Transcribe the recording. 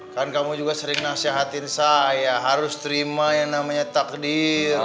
kan kamu juga sering nasihatin saya harus terima yang namanya takdir